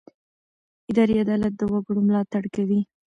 اداري عدالت د وګړو ملاتړ کوي.